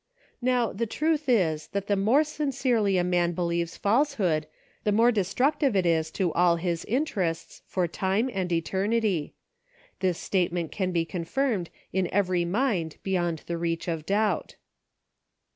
Now the truth is, that the more sincerely a man believes falsehood, the more de structive it is to all his interests, for time and eternity. This statement can be confirmed in every mind beyond the reach of doubt."